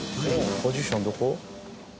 「ポジションどこ？」